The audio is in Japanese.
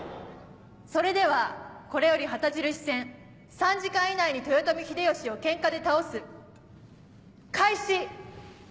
それではこれより旗印戦「３時間以内に豊臣秀吉をケンカで倒す」開始。